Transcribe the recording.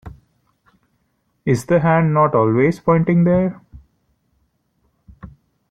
Is the hand not always pointing there?